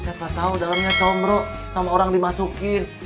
siapa tahu dalamnya combruk sama orang dimasukin